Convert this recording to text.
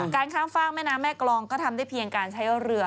การข้ามฝากแม่น้ำแม่กรองก็ทำได้เพียงการใช้เรือ